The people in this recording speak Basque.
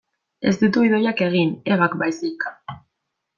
Ez ditu Idoiak egin, Ebak baizik.